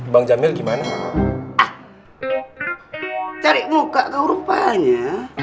bang jamil gimana cari muka kau rupanya